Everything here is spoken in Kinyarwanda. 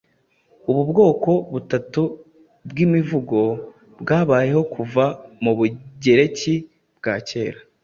Ubu bwoko butatu bwimivugo bwabayeho kuva mubugereki bwa kera,